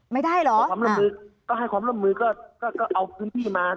ไม่ได้เหรอขอความร่วมมือก็คำเป็นความร่วมมือก็ก็ก็ก็เอาพื้นที่มา